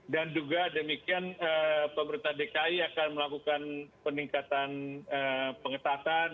dan juga demikian pemerintah dki akan melakukan peningkatan pengetatan